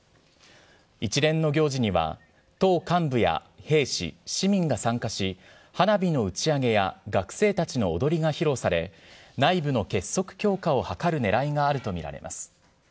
一連の行事には、党幹部や兵士、市民が参加し、花火の打ち上げや学生たちの踊りが披露され、内部の結束強化を図るねらいがあると見られます。